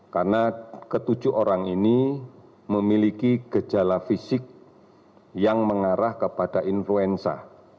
karena ketujuh orang ini memiliki gejala fisik yang mengarah kepada influenza